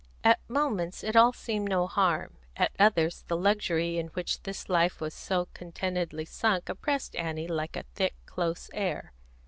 At moments it all seemed no harm; at others, the luxury in which this life was so contentedly sunk oppressed Annie like a thick, close air.